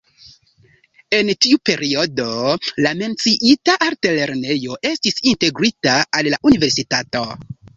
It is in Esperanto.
En tiu periodo la menciita altlernejo estis integrita al la universitato.